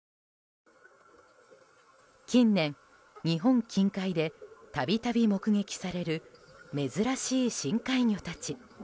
近年、日本近海で度々目撃される珍しい深海魚たち。